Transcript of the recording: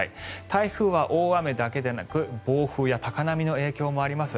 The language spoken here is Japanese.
台風は大雨だけでなく暴風や高波の影響もあります。